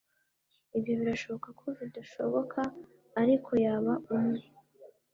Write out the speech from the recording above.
ibyo "birashoboka ko bidashoboka," ariko yaba umwe